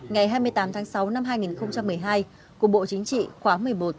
ngày hai mươi tám tháng sáu năm hai nghìn một mươi hai của bộ chính trị khóa một mươi một